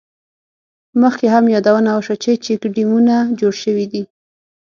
مخکې هم یادونه وشوه، چې چیک ډیمونه جوړ شوي دي.